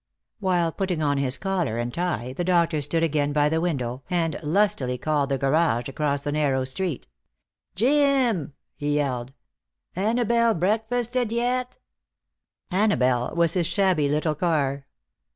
While putting on his collar and tie the doctor stood again by the window, and lustily called the garage across the narrow street. "Jim!" he yelled. "Annabelle breakfasted yet?" Annabelle was his shabby little car.